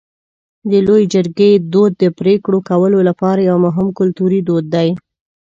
د لویې جرګې دود د پرېکړو کولو لپاره یو مهم کلتوري دود دی.